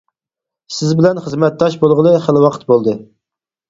سىز بىلەن خىزمەتداش بولغىلى خىلى ۋاقىت بولدى.